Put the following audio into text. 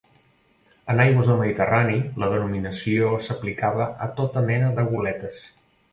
En aigües del Mediterrani la denominació s'aplicava a tota mena de goletes.